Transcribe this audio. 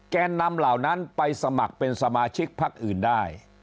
แกนนำเหล่านั้นไปสมัครเป็นสมาชิกพักอื่นได้